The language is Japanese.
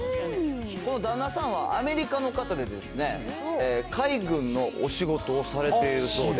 旦那さんはアメリカの方でして、海軍のお仕事をされてるそうで。